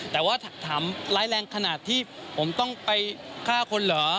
แต่ว่าถามร้ายแรงขนาดที่ผมต้องไปฆ่าคนเหรอ